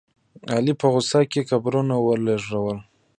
علي په غوسه کې قبرونه ولړزول.